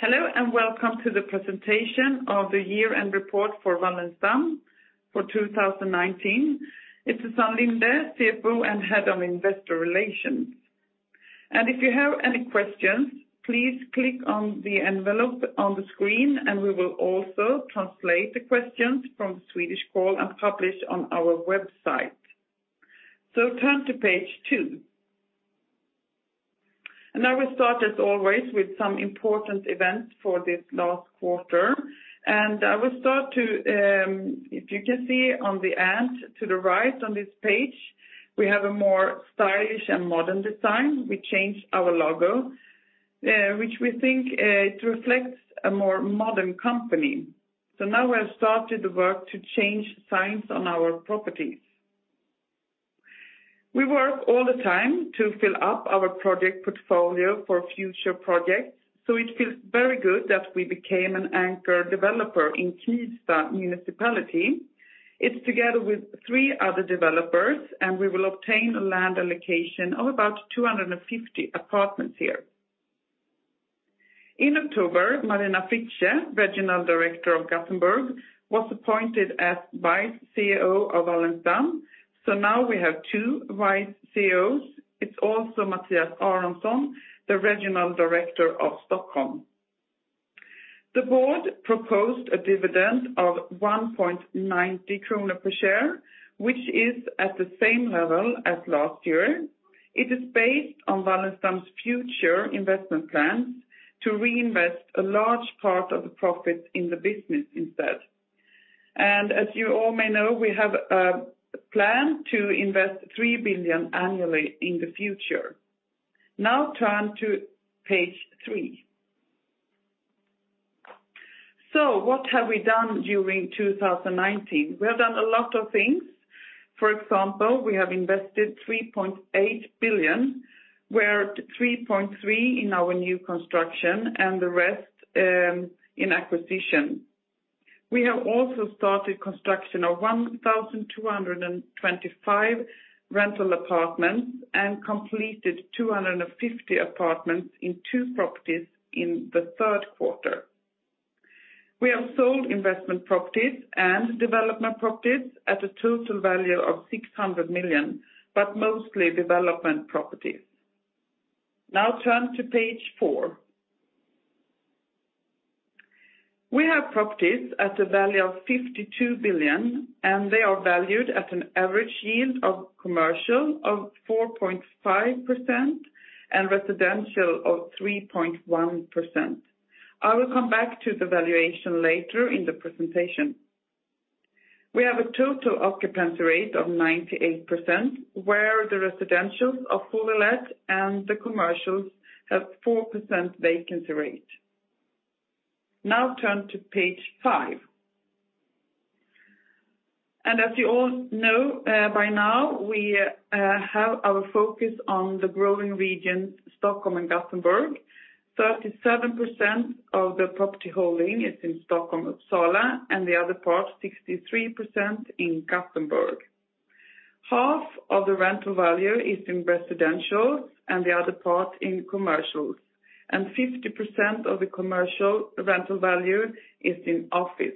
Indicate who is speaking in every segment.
Speaker 1: Hello, welcome to the presentation of the year-end report for Wallenstam for 2019. It's Susann Linde, CFO and Head of Investor Relations. If you have any questions, please click on the envelope on the screen, and we will also translate the questions from the Swedish call and publish on our website. Turn to page two. I will start as always with some important events for this last quarter. I will start, if you can see on the end to the right on this page, we have a more stylish and modern design. We changed our logo, which we think it reflects a more modern company. Now we have started the work to change signs on our properties. We work all the time to fill up our project portfolio for future projects, so it feels very good that we became an anchor developer in Kista Municipality. It's together with three other developers, and we will obtain a land allocation of about 250 apartments here. In October, Marina Fritsche, Regional Director of Gothenburg, was appointed as Vice CEO of Wallenstam. Now we have two Vice CEOs. It's also Mathias Aronsson, the Regional Director of Stockholm. The board proposed a dividend of 1.90 krona per share, which is at the same level as last year. It is based on Wallenstam's future investment plans to reinvest a large part of the profits in the business instead. As you all may know, we have a plan to invest 3 billion annually in the future. Now turn to page three. What have we done during 2019? We have done a lot of things. For example, we have invested 3.8 billion, where 3.3 billion in our new construction and the rest in acquisition. We have also started construction of 1,225 rental apartments and completed 250 apartments in two properties in the third quarter. We have sold investment properties and development properties at a total value of 600 million, but mostly development properties. Now turn to page four. We have properties at a value of 52 billion, and they are valued at an average yield of commercial of 4.5% and residential of 3.1%. I will come back to the valuation later in the presentation. We have a total occupancy rate of 98%, where the residentials are fully let and the commercials have 4% vacancy rate. Now turn to page five. As you all know by now, we have our focus on the growing regions Stockholm and Gothenburg. 37% of the property holding is in Stockholm, Uppsala, and the other part, 63%, in Gothenburg. Half of the rental value is in residentials and the other part in commercials. 50% of the commercial rental value is in office.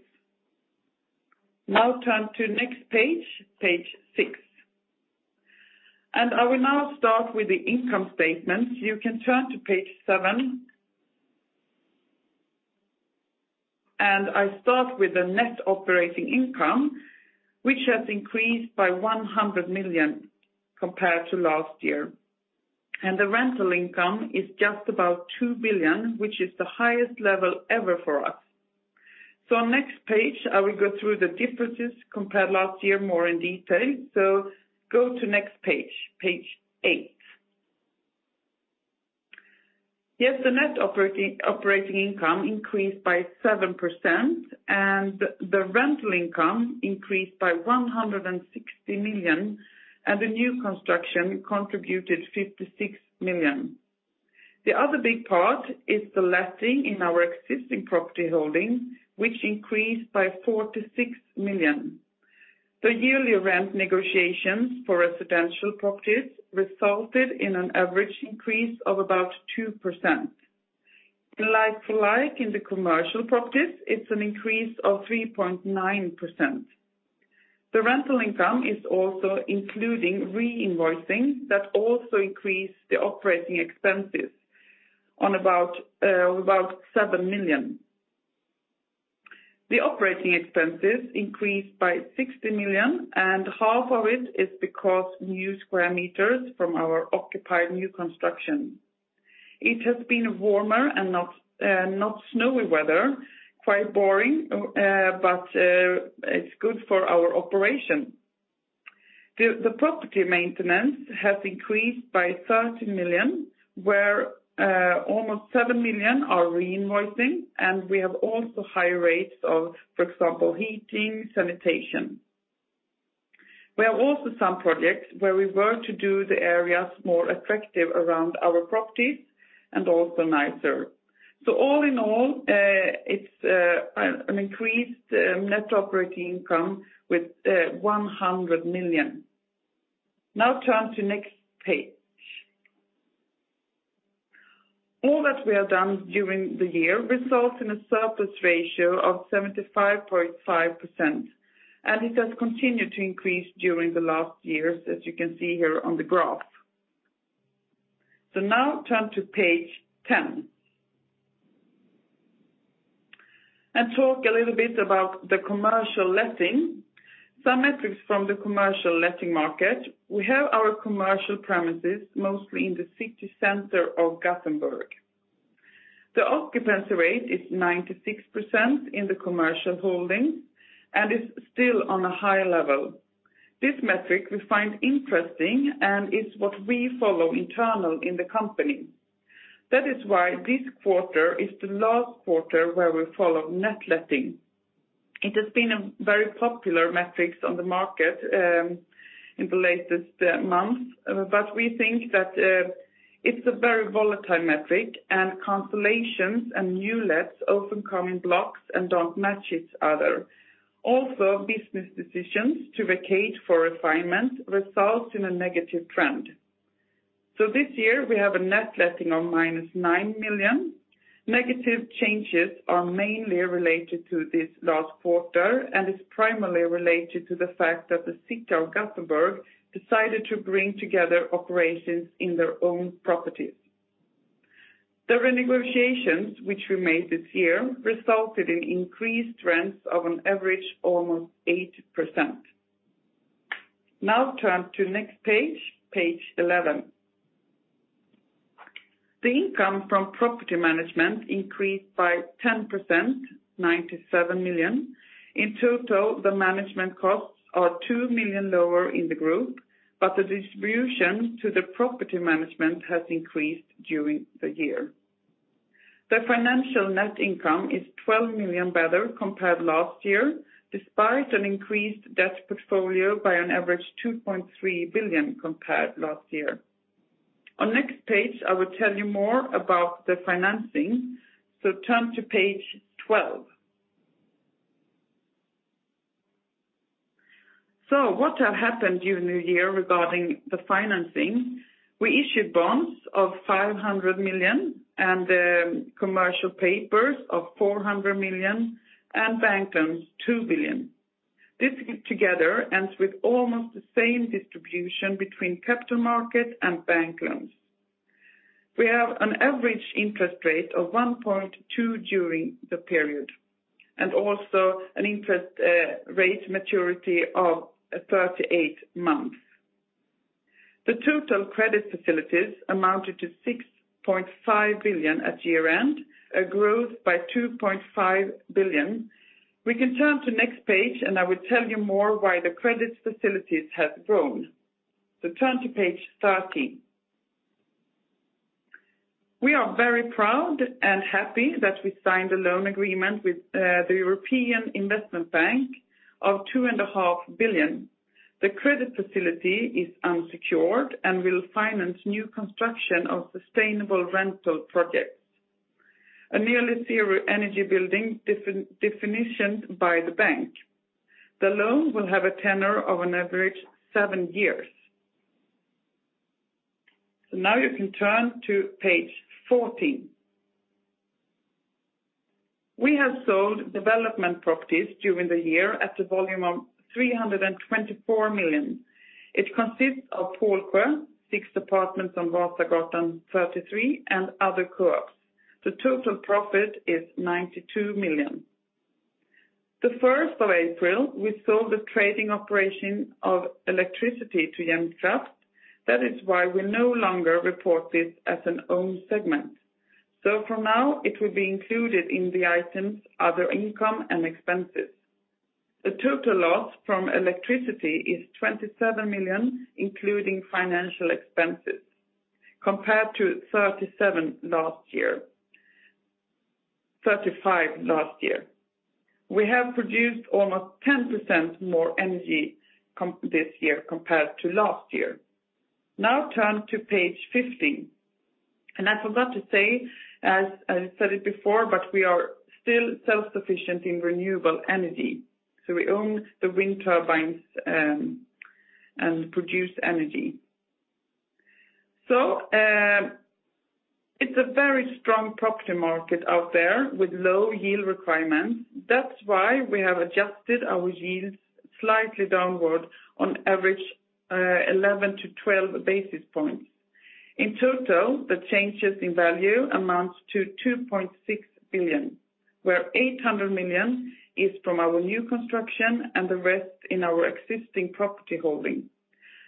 Speaker 1: Now turn to next page six. I will now start with the income statement. You can turn to page seven. I start with the net operating income, which has increased by 100 million compared to last year. The rental income is just about 2 billion, which is the highest level ever for us. Next page, I will go through the differences compared last year more in detail. Go to next page eight. The net operating income increased by 7%, the rental income increased by 160 million, the new construction contributed 56 million. The other big part is the letting in our existing property holdings, which increased by 46 million. The yearly rent negotiations for residential properties resulted in an average increase of about 2%. Like for like in the commercial properties, it is an increase of 3.9%. The rental income is also including reinvoicing that also increased the operating expenses on about 7 million. The operating expenses increased by 60 million. Half of it is because new square meters from our occupied new construction. It has been warmer and not snowy weather, quite boring. It is good for our operation. The property maintenance has increased by 30 million, where almost 7 million are reinvoicing, and we have also high rates of, for example, heating, sanitation. We have also some projects where we work to do the areas more attractive around our properties and also nicer. All in all, it's an increased net operating income with 100 million. Now turn to next page. All that we have done during the year results in a surplus ratio of 75.5%, and it has continued to increase during the last years, as you can see here on the graph. Now turn to page 10, and talk a little bit about the commercial letting. Some metrics from the commercial letting market, we have our commercial premises mostly in the city center of Gothenburg. The occupancy rate is 96% in the commercial holdings and is still on a high level. This metric we find interesting and is what we follow internal in the company. That is why this quarter is the last quarter where we follow net letting. It has been a very popular metrics on the market, in the latest months. We think that it's a very volatile metric, and cancellations and new lets often come in blocks and don't match each other. Also, business decisions to vacate for refinement results in a negative trend. This year we have a net letting of minus 9 million. Negative changes are mainly related to this last quarter, and is primarily related to the fact that the City of Gothenburg decided to bring together operations in their own properties. The renegotiations which we made this year resulted in increased rents of an average almost 8%. Turn to next page 11. The income from property management increased by 10%, 97 million. In total, the management costs are 2 million lower in the group, but the distribution to the property management has increased during the year. The financial net income is 12 million better compared last year, despite an increased debt portfolio by an average 2.3 billion compared last year. On next page, I will tell you more about the financing. Turn to page 12. What have happened during the year regarding the financing? We issued bonds of 500 million and commercial papers of 400 million and bank loans 2 billion. This together ends with almost the same distribution between capital market and bank loans. We have an average interest rate of 1.2% during the period, and also an interest rate maturity of 38 months. The total credit facilities amounted to 6.5 billion at year-end, a growth by 2.5 billion. We can turn to next page and I will tell you more why the credit facilities have grown. Turn to page 13. We are very proud and happy that we signed a loan agreement with the European Investment Bank of 2.5 billion. The credit facility is unsecured and will finance new construction of sustainable rental projects. A nearly zero energy building definition by the bank. The loan will have a tenor of an average seven years. Now you can turn to page 14. We have sold development properties during the year at a volume of 324 million. It consists of Pålsjö, six apartments on Vasagatan 33, and other co-ops. The total profit is 92 million. The 1st of April, we sold a trading operation of electricity to Jämtkraft. That is why we no longer report this as an own segment. For now, it will be included in the items other income and expenses. The total loss from electricity is 27 million including financial expenses compared to 35 million last year. We have produced almost 10% more energy this year compared to last year. Turn to page 15. I forgot to say, as I said it before, we are still self-sufficient in renewable energy. We own the wind turbines, and produce energy. It's a very strong property market out there with low yield requirements. That's why we have adjusted our yields slightly downward on average 11-12 basis points. In total, the changes in value amounts to 2.6 billion, where 800 million is from our new construction and the rest in our existing property holding.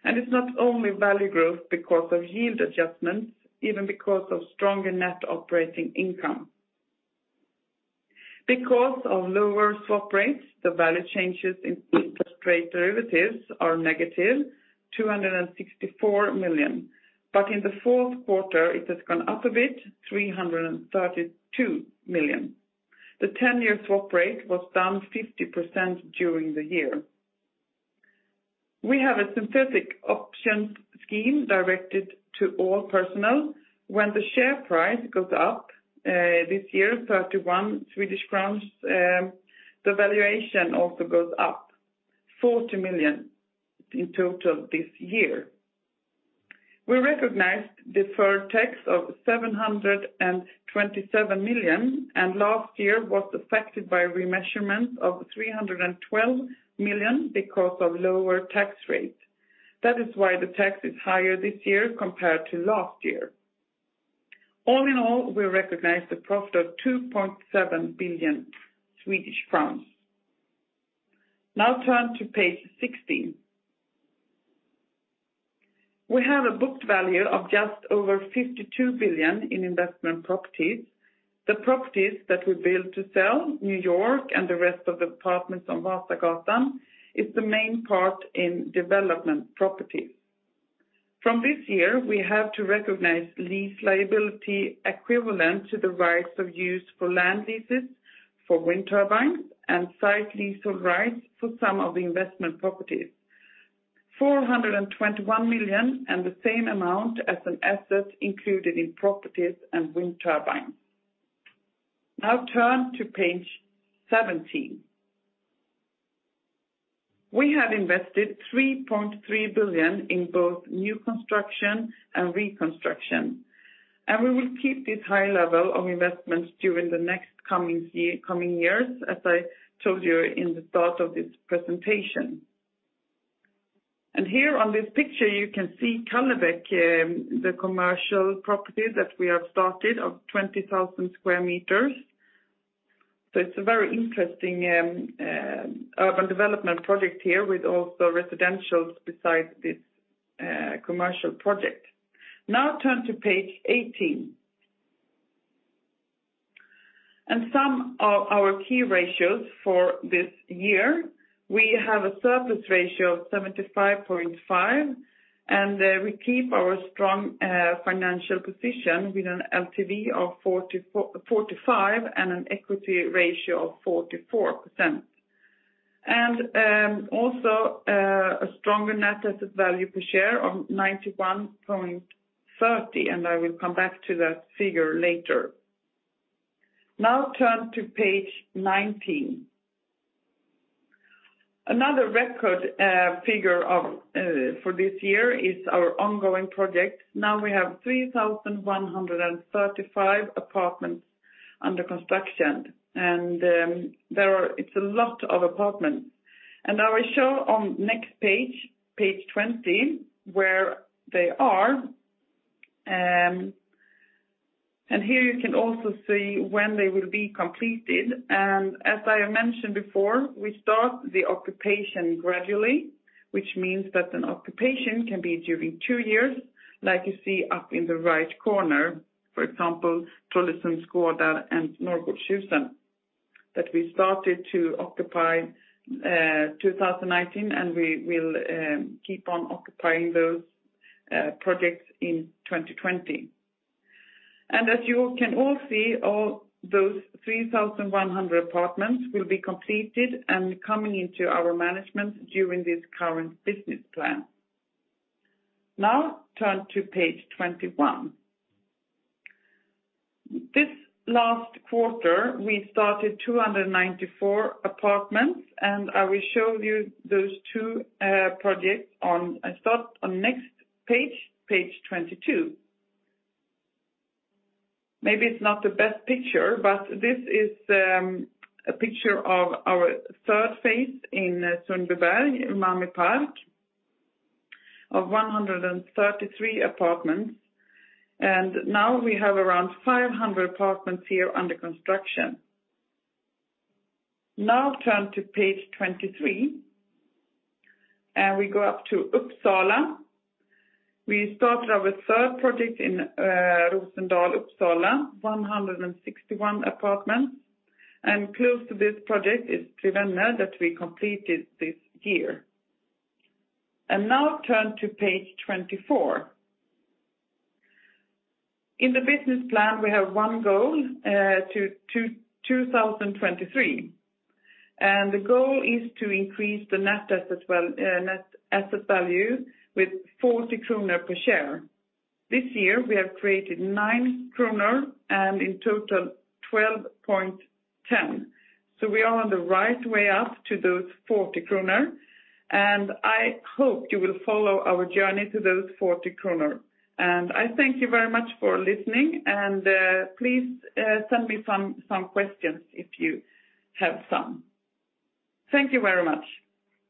Speaker 1: It's not only value growth because of yield adjustments, even because of stronger net operating income. Because of lower swap rates, the value changes in interest rate derivatives are negative, 264 million. In the fourth quarter, it has gone up a bit, 332 million. The 10-year swap rate was down 50% during the year. We have a synthetic option. When the share price goes up this year 31 Swedish crowns, the valuation also goes up 40 million in total this year. We recognized deferred tax of 727 million, and last year was affected by remeasurements of 312 million because of lower tax rate. That is why the tax is higher this year compared to last year. All in all, we recognized a profit of SEK 2.7 billion. Now turn to page 16. We have a booked value of just over 52 billion in investment properties. The properties that we build to sell, New York and the rest of the apartments on Vasagatan, is the main part in development properties. From this year, we have to recognize lease liability equivalent to the rights of use for land leases, for wind turbines, and site lease of rights for some of the investment properties. 421 million and the same amount as an asset included in properties and wind turbines. Now turn to page 17. We have invested 3.3 billion in both new construction and reconstruction, and we will keep this high level of investments during the next coming years, as I told you in the start of this presentation. Here on this picture, you can see Kallebäck, the commercial property that we have started of 20,000 sq m. It's a very interesting urban development project here with also residentials besides this commercial project. Now turn to page 18. Some of our key ratios for this year. We have a surplus ratio of 75.5% and we keep our strong financial position with an LTV of 45% and an equity ratio of 44%. Also a stronger net asset value per share of 91.30, and I will come back to that figure later. Turn to page 19. Another record figure for this year is our ongoing project. We have 3,135 apartments under construction, and it's a lot of apartments. I will show on next page 20, where they are. Here you can also see when they will be completed. As I mentioned before, we start the occupation gradually, which means that an occupation can be during two years, like you see up in the right corner, for example, Trollesunds Gårdar and Norrgårdshusen, that we started to occupy 2019, and we will keep on occupying those projects in 2020. As you can all see, all those 3,100 apartments will be completed and coming into our management during this current business plan. Turn to page 21. This last quarter, we started 294 apartments, and I will show you those two projects on next page 22. Maybe it's not the best picture, but this is a picture of our third phase in Sundbyberg, Umami Park, of 133 apartments. Now we have around 500 apartments here under construction. Turn to page 23, and we go up to Uppsala. We started our third project in Rosendal, Uppsala, 161 apartments. Close to this project is Tre Vänner that we completed this year. Now turn to page 24. In the business plan, we have one goal to 2023, and the goal is to increase the net asset value with 40 kronor per share. This year, we have created 9 kronor, and in total, 12.10. We are on the right way up to those 40 kronor, and I hope you will follow our journey to those 40 kronor. I thank you very much for listening, and please send me some questions if you have some. Thank you very much.